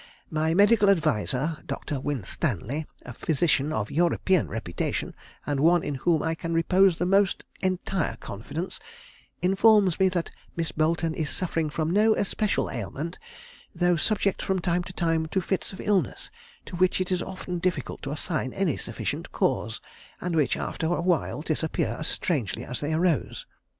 My medical adviser, Dr. Winstanley, a physician of European reputation, and one in whom I can repose the most entire confidence, informs me that Miss Boleton is suffering from no especial ailment, though subject from time to time to fits of illness to which it is often difficult to assign any sufficient cause, and which after a while disappear as strangely as they arose.